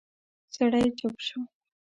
سړی چوپ شو.